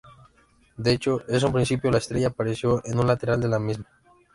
De hecho, en un principio, la estrella apareció en un lateral de la misma.